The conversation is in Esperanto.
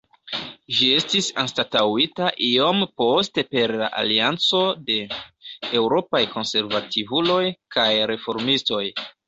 Ĝi estis anstataŭita iom poste per la Alianco de Eŭropaj Konservativuloj kaj Reformistoj.